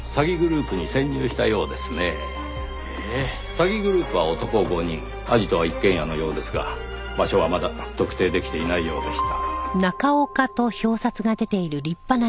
詐欺グループは男５人アジトは一軒家のようですが場所はまだ特定できていないようでした。